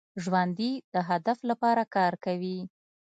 ژوندي د هدف لپاره کار کوي